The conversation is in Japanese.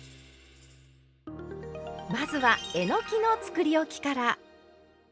まずはえのきのつくりおきから。